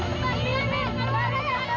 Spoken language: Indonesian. bu mimin keluar